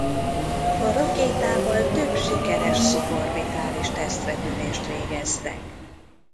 A rakétával több sikeres szuborbitális tesztrepülést végeztek.